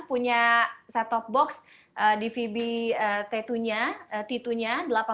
punya set top box dvb t dua nya